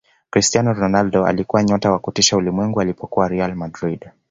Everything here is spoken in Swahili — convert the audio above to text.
cristiano ronaldo alikuwa nyota wa kutisha ulimwenguni alipokuwa real madrid